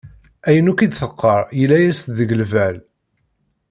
Ayen akk i d-teqqar yella-as-d deg lbal.